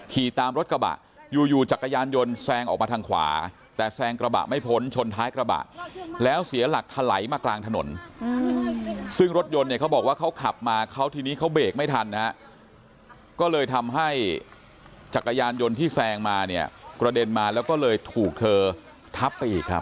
ขี่ตามรถกระบะอยู่อยู่จักรยานยนต์แซงออกมาทางขวาแต่แซงกระบะไม่พ้นชนท้ายกระบะแล้วเสียหลักถลายมากลางถนนซึ่งรถยนต์เนี่ยเขาบอกว่าเขาขับมาเขาทีนี้เขาเบรกไม่ทันฮะก็เลยทำให้จักรยานยนต์ที่แซงมาเนี่ยกระเด็นมาแล้วก็เลยถูกเธอทับไปอีกครับ